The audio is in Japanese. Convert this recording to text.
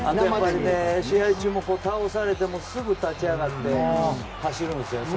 試合中も、倒されてもすぐ立ち上がって走るんですよね。